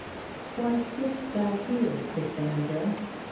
"Why sit'st thou here, Cassandra?